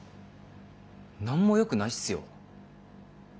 何もよくないすよ。